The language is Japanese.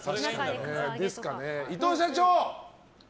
伊藤社長。